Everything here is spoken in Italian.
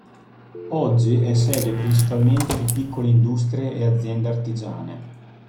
Oggi è sede principalmente di piccole industrie e aziende artigiane.